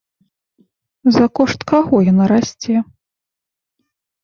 За кошт каго яна расце?